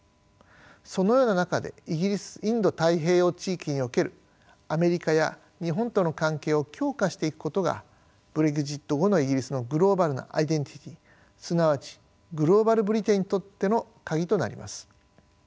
そのような中でイギリスインド太平洋地域におけるアメリカや日本との関係を強化していくことがブレグジット後のイギリスのグローバルなアイデンティティーすなわちグローバル・ブリテンにとっての鍵となります。